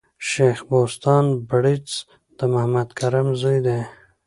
شېخ بُستان بړیځ د محمد کرم زوی دﺉ.